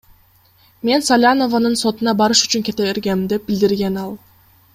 Мен Салянованын сотуна барыш үчүн кете бергем, — деп билдирген ал.